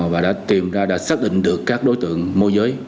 và đã tìm ra đã xác định được các đối tượng môi giới